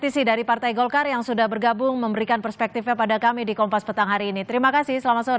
terima kasih dari partai golkar yang sudah bergabung memberikan perspektifnya pada kami di kompas petang hari ini terima kasih selamat sore